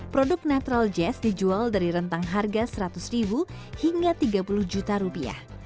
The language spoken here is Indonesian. produk natural jazz dijual dari rentang harga seratus ribu hingga tiga puluh juta rupiah